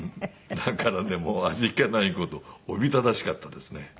だからねもう味気ない事おびただしかったですね。